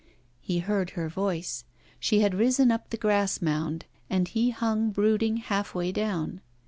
He heard her voice. She had risen up the grass mound, and he hung brooding half way down.